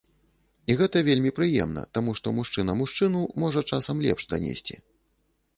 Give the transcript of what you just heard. І гэта вельмі прыемна, таму што мужчына мужчыну можа часам лепш данесці.